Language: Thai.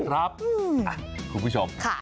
ครับคุณผู้ชม